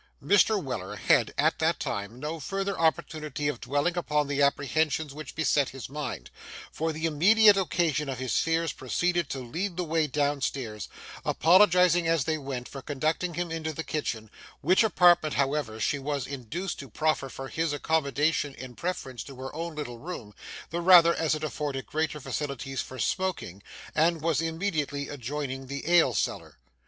Mr. Weller had, at that time, no further opportunity of dwelling upon the apprehensions which beset his mind, for the immediate occasion of his fears proceeded to lead the way down stairs, apologising as they went for conducting him into the kitchen, which apartment, however, she was induced to proffer for his accommodation in preference to her own little room, the rather as it afforded greater facilities for smoking, and was immediately adjoining the ale cellar.